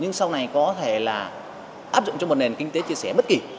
nhưng sau này có thể là áp dụng cho một nền kinh tế chia sẻ bất kỳ